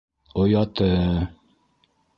Ояты...